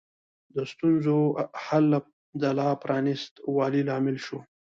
د ستونزو حل د لا پرانیست والي لامل شو.